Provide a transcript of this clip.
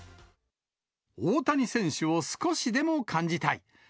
大谷選手を少しでも感じたい。